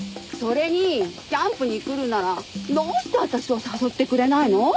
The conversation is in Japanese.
それにキャンプに来るならどうして私を誘ってくれないの？